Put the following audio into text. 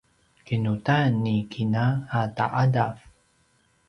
kinudan ni kina a ta’adav